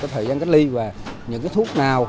cái thời gian cách ly và những cái thuốc nào